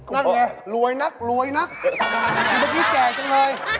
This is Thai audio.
นั่นไงรวยนักรวยนักเมื่อกี้แจกจังเลย